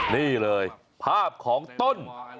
นี่เลยภาพของต้น